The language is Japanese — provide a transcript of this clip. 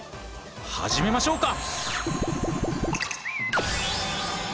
始めましょうか！